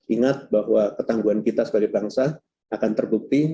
ingat bahwa ketangguhan kita sebagai bangsa akan terbukti